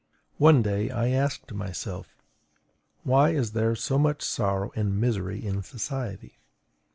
One day I asked myself: Why is there so much sorrow and misery in society?